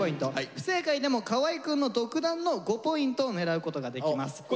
不正解でも河合くんの独断の５ポイントを狙うことができます。